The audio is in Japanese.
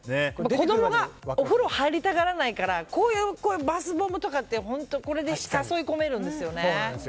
子供がお風呂入りたがらないからこういうバスボムとかで誘い込めるんですよね。